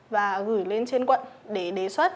và gửi lên trên quận để đề xuất